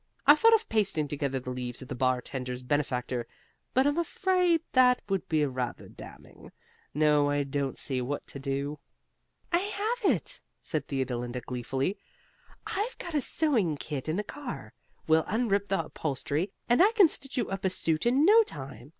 "I thought of pasting together the leaves of The Bartender's Benefactor, but I'm afraid that would be rather damning. No, I don't see what to do." "I have it!" said Theodolinda, gleefully. "I've got a sewing kit in the car we'll unrip the upholstery and I can stitch you up a suit in no time.